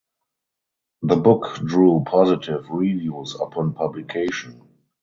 The book drew positive reviews upon publication.